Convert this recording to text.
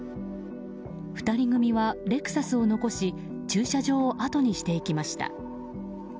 ２人組はレクサスを残し駐車場をあとにしていきました。